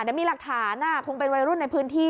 เดี๋ยวมีหลักฐานคงเป็นวัยรุ่นในพื้นที่